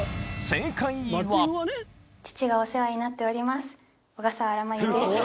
父がお世話になっております。